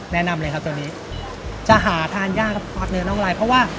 แนะนำเลยครับตัวนี้จะหาทานยากกับซอสเนื้อน่องลายเพราะว่า